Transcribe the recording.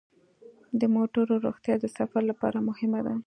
د موټرو روغتیا د سفر لپاره مهمه ده.